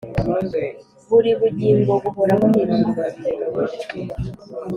buri bugingo buhora buhindura umubiri